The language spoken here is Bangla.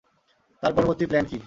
তার পরবর্তী প্ল্যান কী?